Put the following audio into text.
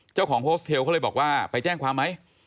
โฮสเทลเขาเลยบอกว่าไปแจ้งความไหม